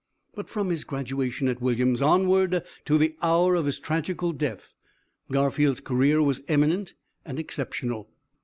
But from his graduation at Williams, onward to the hour of his tragical death, Garfield's career was eminent and exceptional.